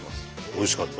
おいしかった？